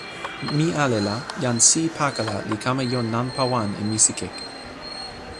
mi ale la, jan Si Pakala li kama jo nanpa wan e misikeke.